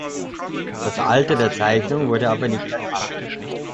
Das Alter der Zeichnungen wurde aber nicht erkannt.